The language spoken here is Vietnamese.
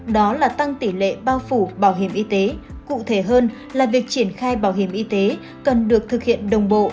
đó là tăng tỷ lệ bao phủ bảo hiểm y tế cụ thể hơn là việc triển khai bảo hiểm y tế cần được thực hiện đồng bộ